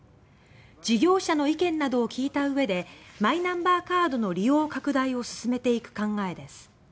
事業者の意見などを聞いたうえでマイナンバーカードの利用拡大を進めていく考えです。